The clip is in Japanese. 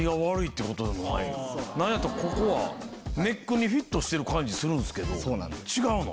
なんやったらここはネックにフィットしてる感じするんですけど違うの？